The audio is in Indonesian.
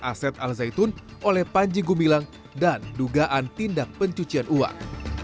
aset al zaitun oleh panji gumilang dan dugaan tindak pencucian uang